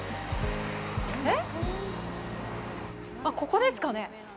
えっ？あっ、ここですかね？